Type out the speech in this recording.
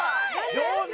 上手！